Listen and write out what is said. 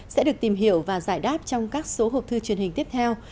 sẽ được tìm hiểu và giải đáp trong các số hộp thư truyền hình tiếp theo